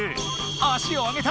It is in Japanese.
足を上げた！